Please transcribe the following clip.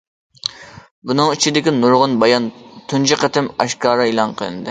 بۇنىڭ ئىچىدىكى نۇرغۇن بايان تۇنجى قېتىم ئاشكارا ئېلان قىلىندى.